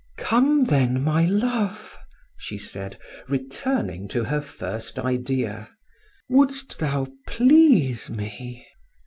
"Come, then, my love," she said, returning to her first idea, "wouldst thou please me?"